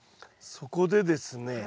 そこでですね